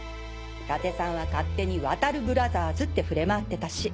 伊達さんは勝手にワタルブラザーズって触れ回ってたし。